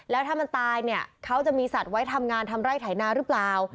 แล้วถ้ามันตายเนี่ยเขาจะมีสัตว์ไว้ทำงานทำไร่ไถนาหรือเปล่า